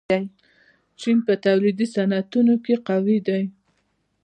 چین په تولیدي صنعتونو کې قوي دی.